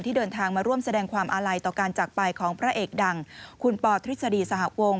เดินทางมาร่วมแสดงความอาลัยต่อการจากไปของพระเอกดังคุณปอทฤษฎีสหวง